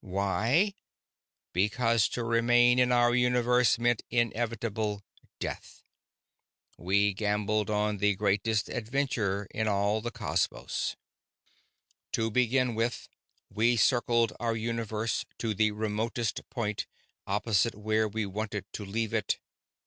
Why? Because to remain in our universe meant inevitable death. We gambled on the greatest adventure in all the cosmos. "To begin with, we circled our universe to the remotest point opposite where we wanted to leave it.